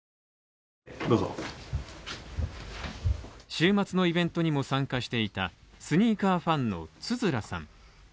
週末のイベントにも参加していたスニーカーファンの廿樂さん。